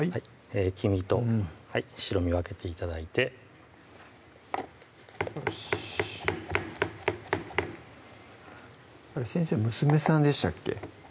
黄身と白身分けて頂いて先生娘さんでしたっけ？